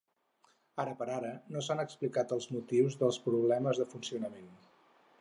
Ara per ara, no s’han explicat els motius dels problemes de funcionament.